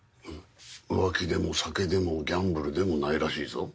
浮気でも酒でもギャンブルでもないらしいぞ。